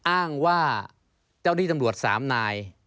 อ้างว่าเจ้าที่ตำรวจ๓นาย